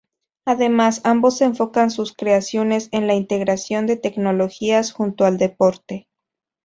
Además, ambos enfocan sus creaciones en la integración de tecnologías junto al deporte.